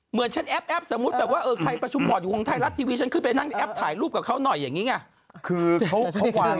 เหมือนฉันแอปแอปสมมุติใครประชุมบอร์ดยังวงไทยรับทีวีวีฉันขึ้นไปนั่งในแอปถ่ายลูกกับเขาน่อยอย่างนี้ไง